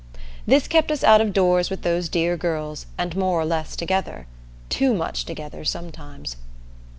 This kept us out of doors with those dear girls, and more or less together too much together sometimes.